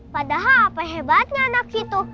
padahal apa hebatnya anak itu